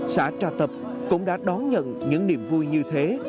xã trà tập cũng đã đón nhận những niềm vui như thế